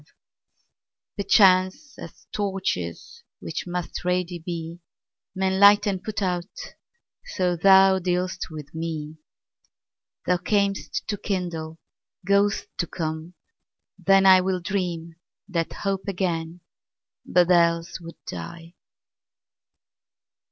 Perchance, as torches, which must ready be, Men light and put out, so thou dealst with me. Thou cam'st to kindle, goest to come: then IWill dream that hope again, but else would die.